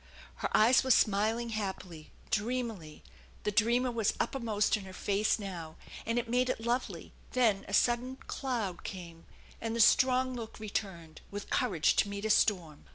Her eyes were smiling happily, dreamily ; the dreamer was uppermost in her face now, and made it lovely ; then a sudden cloud came, and the strong look returned, with courage to meet a storm.